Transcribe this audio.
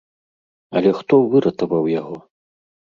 Але хто выратаваў яго?